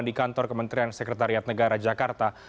di kantor kementerian sekretariat negara jakarta